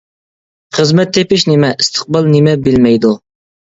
خىزمەت تېپىش نېمە، ئىستىقبال نېمە بىلمەيدۇ.